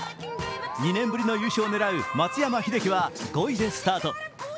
２年ぶりの優勝を狙う松山英樹は５位でスタート。